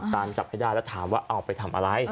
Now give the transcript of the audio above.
ตามจับให้ได้แล้วถามว่าเอาไปทำอะไร